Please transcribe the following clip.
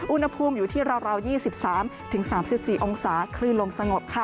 อุณหภูมิอยู่ที่ราว๒๓๓๔องศาคลื่นลมสงบค่ะ